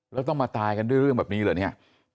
แล้วต้องมาตายกันด้วยเรื่องแบบนี้เหรอเนี่ย